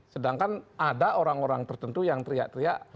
sedangkan ada orang orang tertentu yang teriak teriak